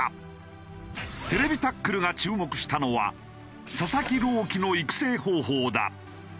『ＴＶタックル』が注目したのは佐々木朗希の育成方法だ。